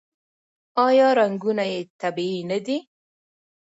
آیا رنګونه یې طبیعي نه دي؟